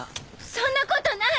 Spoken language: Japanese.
そんなことない！